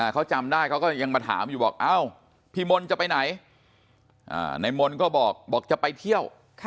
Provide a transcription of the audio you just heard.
เขาจำได้เขาก็ยังมาถามอยู่บอกพี่มนต์จะไปไหนนายมนต์ก็บอกบอกจะไปเที่ยว